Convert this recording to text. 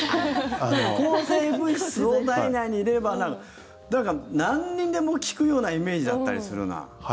抗生物質を体内に入れればなんにでも効くようなイメージだったりするな。